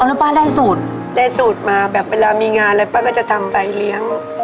แล้วป้าได้สูตรได้สูตรมาแบบเวลามีงานอะไรป้าก็จะทำไปเลี้ยง